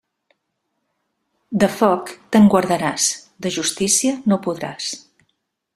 De foc, te'n guardaràs; de justícia, no podràs.